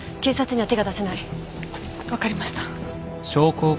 分かりました。